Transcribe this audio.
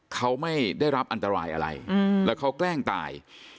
เขาไม่ได้รับอันตรายอะไรแล้วเขาแกล้งตาย